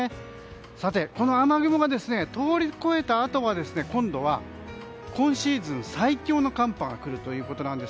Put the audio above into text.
さて、この雨雲が通り越えたあとは今度は今シーズン最強の寒波がくるということです。